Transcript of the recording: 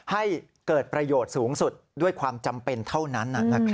ให้เกิดประโยชน์สูงสุดด้วยความจำเป็นเท่านั้น